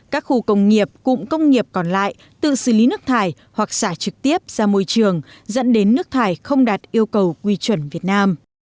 các khu công nghiệp cụm công nghiệp còn lại tự xử lý nước thải hoặc xả trực tiếp ra môi trường dẫn đến nước thải không đạt yêu cầu quy chuẩn việt nam